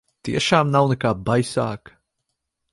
Tiešām nav nekā baisāka?